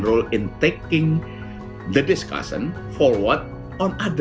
masih meninggalkan efek luka memar